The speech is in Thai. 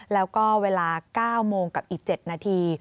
แล้วก็เวลา๙โมงกับอีก๗นาที